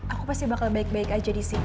aku pasti bakal baik baik aja di sini